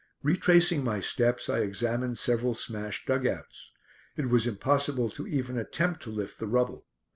Retracing my steps I examined several smashed dug outs. It was impossible to even attempt to lift the rubble.